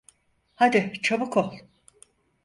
Hadi çabuk ol.